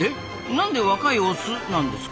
なんで若いオスなんですか？